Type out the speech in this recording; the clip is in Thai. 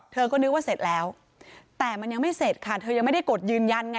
เธอก็นึกว่าเสร็จแล้วแต่มันยังไม่เสร็จค่ะเธอยังไม่ได้กดยืนยันไง